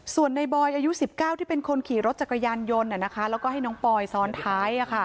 ส่วนในบอยอายุ๑๙ที่เป็นคนขี่รถจักรยานยนต์แล้วก็ให้น้องปอยซ้อนท้าย